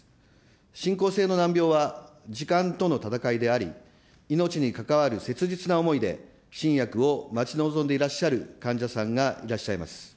進行性の難病は、時間との戦いであり、命に関わる切実な思いで、新薬を待ち望んでいらっしゃる患者さんがいらっしゃいます。